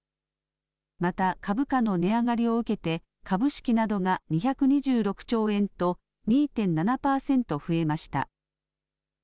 また株価の値上がりを受けて、株式などが２２６兆円と、２．７％増えました。